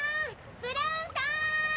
ブラウンさん！